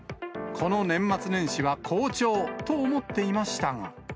この年末年始は好調と思っていましたが。